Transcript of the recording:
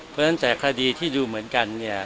เพราะฉะนั้นแต่คดีที่ดูเหมือนกันเนี่ย